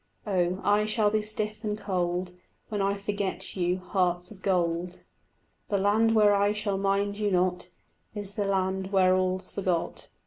Oh, I shall be stiff and cold When I forget you, hearts of gold; The land where I shall mind you not Is the land where all's forgot.